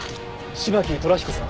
芝木寅彦さん。